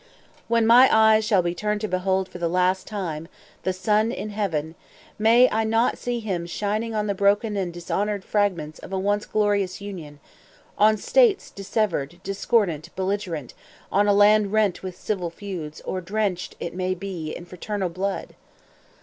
"When my eyes shall be turned to behold, for the last time, the sun in heaven, may I not see him shining on the broken and dishonored fragments of a once glorious Union; on states dissevered, discordant, belligerent, on a land rent with civil feuds, or drenched, it may be, in fraternal blood!